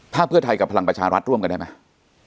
ถ้าเพื่อไทยกับพลังประชารัฐร่วมกันได้ไหม